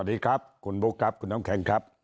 สวัสดีครับคุณบุ๊คครับคุณน้ำแข็งครับ